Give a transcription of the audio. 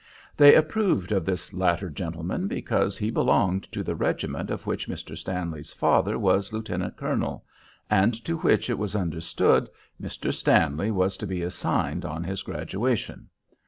They approved of this latter gentleman because he belonged to the regiment of which Mr. Stanley's father was lieutenant colonel, and to which it was understood Mr. Stanley was to be assigned on his graduation.